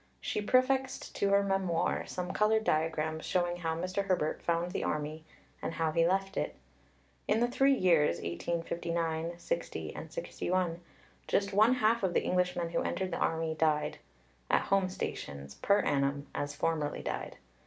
She prefixed to her Memoir some coloured diagrams showing how Mr. Herbert found the Army and how he left it. In the three years 1859 60 61, just one half of the Englishmen who entered the Army died (at home stations) per annum as formerly died.